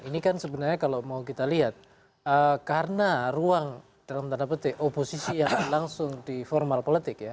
ini kan sebenarnya kalau mau kita lihat karena ruang dalam tanda petik oposisi yang langsung di formal politik ya